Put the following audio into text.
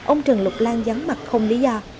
ông trần lục lan gián mặt không lý do